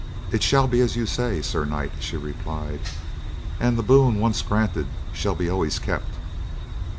"It shall be as you say, Sir Knight," she replied. "And the boon once granted shall be always kept."